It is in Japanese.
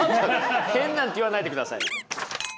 「変なん」って言わないでください。